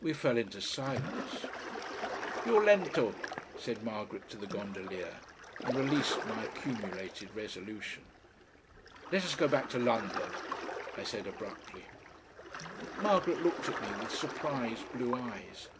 We fell into silence. "PIU LENTO," said Margaret to the gondolier, and released my accumulated resolution. "Let us go back to London," I said abruptly. Margaret looked at me with surprised blue eyes.